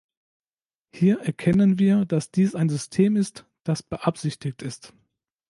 Hier erkennen wir, dass dies ein System ist, das beabsichtigt ist.